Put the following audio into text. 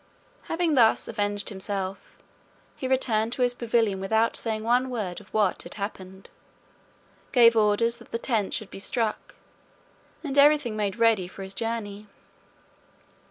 Having thus avenged himself, he returned to his pavilion without saying one word of what had happened, gave orders that the tents should be struck, and everything made ready for his journey.